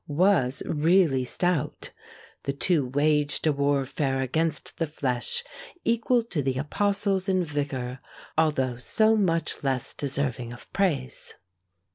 was really stout. The two waged a warfare against the flesh equal to the apostle's in vigor, although so much less deserving of praise.